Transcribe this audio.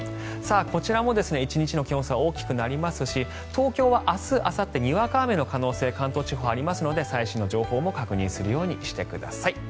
こちらも１日の気温差、大きくなりますし東京は明日あさってにわか雨の可能性関東地方はありますので最新の情報も確認するようにしてください。